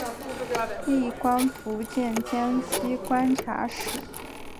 历官福建江西观察使。